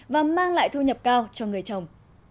và mang lại thu nhập cao cho người chồng